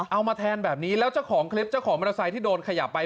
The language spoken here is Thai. เอามาแทนแบบนี้แล้วเจ้าของคลิปเจ้าของมอเตอร์ไซค์ที่โดนขยับไป